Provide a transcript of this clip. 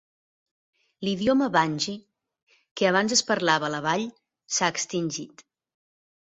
L'idioma vanji, que abans es parlava a la vall, s'ha extingit.